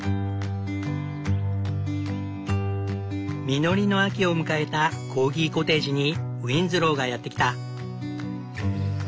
実りの秋を迎えたコーギコテージにウィンズローがやって来た。